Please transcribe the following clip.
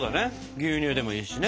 牛乳でもいいしね。